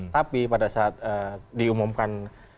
tapi pada saat diumumkan